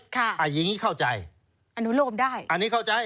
อย่างนี้เข้าใจอันนี้เข้าใจ